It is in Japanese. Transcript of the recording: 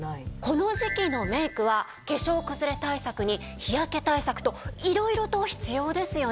この時季のメイクは化粧崩れ対策に日焼け対策と色々と必要ですよね。